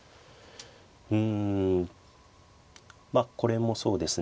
うんまあこれもそうですね。